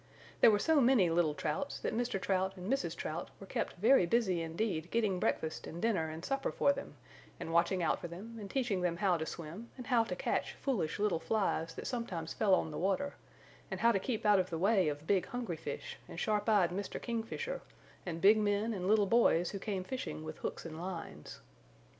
There were so many little Trouts that Mr. Trout and Mrs. Trout were kept very busy indeed getting breakfast and dinner and supper for them, and watching out for them and teaching them how to swim and how to catch foolish little flies that sometimes fell on the water and how to keep out of the way of big hungry fish and sharp eyed Mr. Kingfisher and big men and little boys who came fishing with hooks and lines.